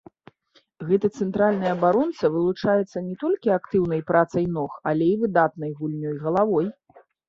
Гэты цэнтральны абаронца вылучаецца не толькі актыўнай працай ног, але і выдатнай гульнёй галавой.